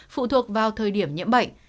phụ thuộc vào thời điểm nhiễm bệnh